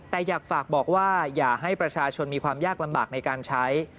แต่อยากฝากบอกว่าอย่าให้ประชาชนมีความยากลำบากในการใช้